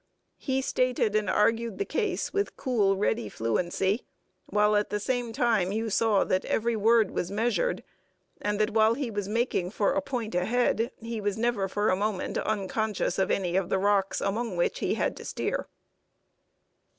He stated and argued the case with cool ready fluency, while at the same time you saw that every word was measured, and that while he was making for a point ahead, he was never for a moment unconscious of any of the rocks among which he had to steer.